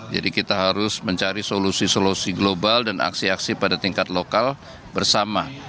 jadi kita harus mencari solusi solusi global dan aksi aksi pada tingkat lokal bersama